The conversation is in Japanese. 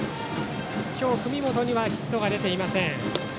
今日、文元にはヒットが出ていません。